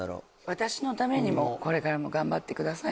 「私のためにも！！これからもガンバって下さいね」